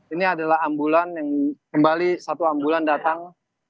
ini adalah ambulan yang kembali satu ambulan datang